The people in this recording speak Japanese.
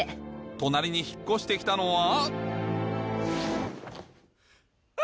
隣に引っ越して来たのはあ！